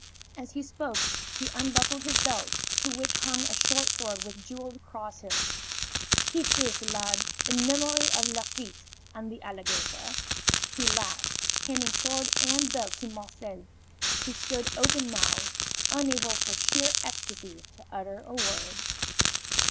As he spoke he unbuckled his belt, to which hung a short sword with jeweled cross hilt. "Keep this lad, in memory of Lafitte and the alligator," he laughed, handing sword and belt to Marcel, who stood open mouthed, unable for sheer ecstasy to utter a word.